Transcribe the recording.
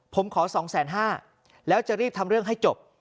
ผมขอ๒๕๐๐บาทแล้วจะรีบทำเรื่องให้จบ